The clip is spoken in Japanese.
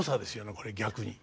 これ逆に。